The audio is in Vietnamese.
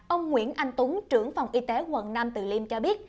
ông nguyễn anh tuấn trưởng phòng y tế quận nam từ liêm cho biết